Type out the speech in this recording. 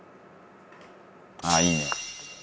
「ああいいね」